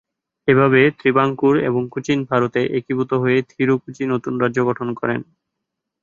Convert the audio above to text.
এভাবে ত্রিবাঙ্কুর এবং কোচিন ভারতে একীভূত হয়ে থিরু-কোচি নতুন রাজ্য গঠন করেন।